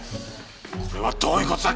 これはどういう事だ？